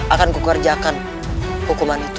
akan kukerjakan hukuman itu